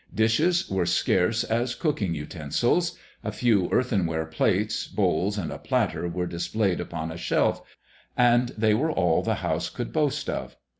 Dishes were as scarce as cooking utensils. A few earthenware plates, bowls, and a platter were displayed upon a shelf; and they were all the house could boast of.